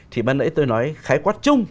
thì ban nãy tôi nói khái quát chung